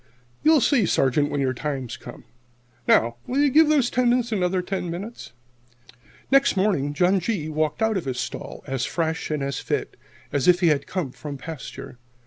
You'll see, Sergeant, when your time comes. Will you give those tendons another ten minutes?" Next morning John G. walked out of his stall as fresh and as fit as if he had come from pasture.